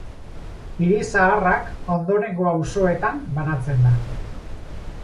Hiri Zaharrak ondorengo auzoetan banatzen da.